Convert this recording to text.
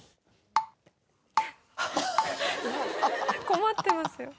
困ってますよ。